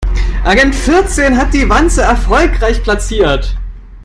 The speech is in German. Agent vierzehn hat die Wanze erfolgreich platziert.